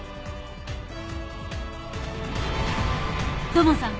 土門さん